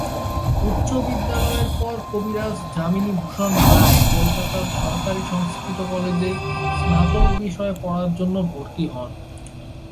উচ্চ বিদ্যালয়ের পর কবিরাজ যামিনী ভূষণ রায় কলকাতার সরকারি সংস্কৃত কলেজে স্নাতক বিষয়ে পড়ার জন্য ভর্তি হন।